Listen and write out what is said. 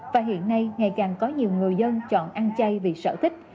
và hiện nay ngày càng có nhiều người dân chọn ăn chay vì sở thích